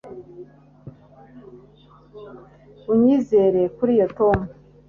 Unyizere kuriyi Tom